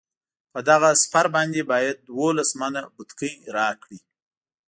په دغه سپر باندې باید دولس منه بتکۍ راکړي.